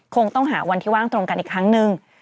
คงต้องหาวันที่ว่างตรงกันอีกครั้งหนึ่ง